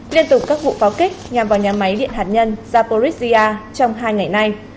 liên tục các vụ pháo kích nhằm vào nhà máy điện hạt nhân zaporisia trong hai ngày nay